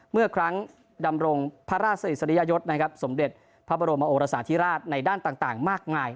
เมื่อครั้งดำรงพระราชอิสริยยศสมเด็จพระบรมโอรสาธิราชในด้านต่างมากมาย